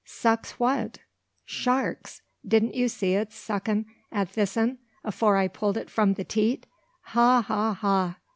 "Sucks what?" "Sharks. Didn't you see it suckin' at this 'un afore I pulled it from the teat? Ha! ha! ha!"